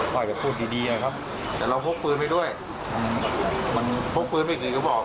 ก็จะพูดดีดีอะครับแต่เราพกปืนไปด้วยมันพกปืนไปกี่กระบอก